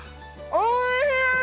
おいしい！